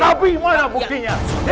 ya tapi mana buktinya